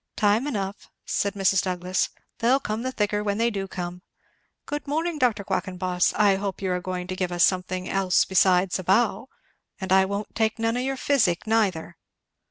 "Time enough," said Mrs. Douglass. "They'll come the thicker when they do come. Good morning, Dr. Quackenboss! I hope you're a going to give us something else besides a bow? and I won't take none of your physic, neither."